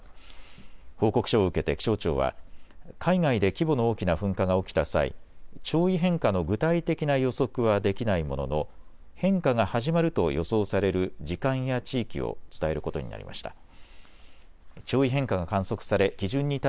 報告書を受けて気象庁は海外で規模の大きな噴火が起きた際、潮位変化の具体的な予測はできないものの変化が始まると予想される時間や地域を伝えることになりました。